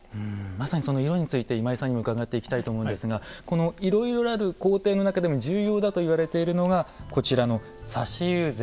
まさにその色について今井さんにも伺っていきたいと思うんですがこのいろいろある工程の中でも重要だといわれているのがこちらの挿し友禅。